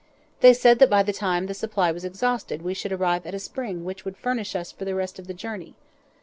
They said that by the time that supply was exhausted we should arrive at a spring which would furnish us for the rest of the journey.